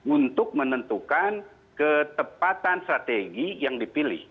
untuk menentukan ketepatan strategi yang dipilih